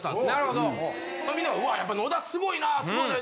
ほんで皆「うわやっぱり野田すごいなぁすごいなぁ」